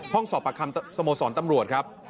ห้องศอประคัมสโมสรตำรวจครับ